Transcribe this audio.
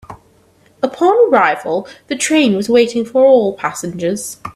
Upon arrival, the train was waiting for all passengers.